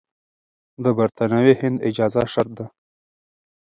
د برتانوي هند اجازه شرط ده.